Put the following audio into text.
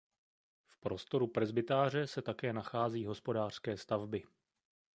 V prostoru presbytáře se také nachází hospodářské stavby.